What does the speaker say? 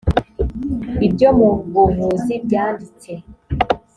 ibyo mu buvuzi byanditse